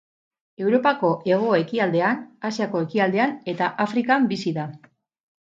Europako hego-ekialdean, Asiako ekialdean eta Afrikan bizi da.